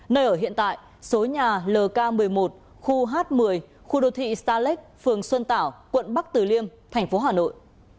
nơi ở hiện tại số nhà lk một mươi một khu h một mươi khu đô thị starlek phường xuân tảo quận bắc từ liêm thành phố hà nội